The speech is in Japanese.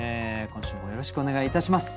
今週もよろしくお願いいたします。